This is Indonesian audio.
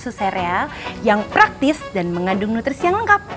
susu sereal yang praktis dan mengandung nutrisi yang lengkap